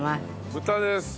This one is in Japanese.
豚です。